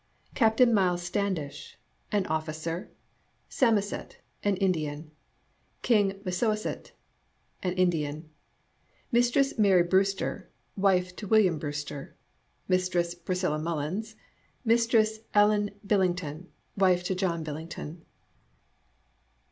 CAPTAIN MILES STANDISH. AN OFFICER. SAMOSET, an Ind an. KING MASSASOIT, an Indian. MISTRESS MARY BREWSTER, wife to William Brewster. PRISCILLA MULLINS. ., ELLEN BILLINGTON, wife to John Billington.